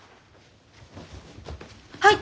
はい！